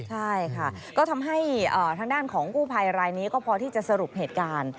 ใช่ค่ะก็ทำให้ทางด้านของกู้ภัยรายนี้ก็พอที่จะสรุปเหตุการณ์